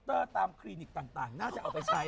อันนี้พี่อยู่คลีนิกต่างประเภทน่าจะเอาไปใช้